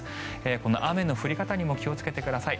この雨の降り方にも気をつけてください。